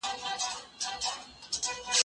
زه بايد لوښي وچوم،